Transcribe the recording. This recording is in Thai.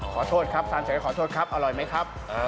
ขอโทษครับทานเฉยขอโทษครับอร่อยไหมครับ